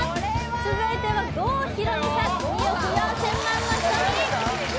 続いては郷ひろみさん「２億４千万の瞳」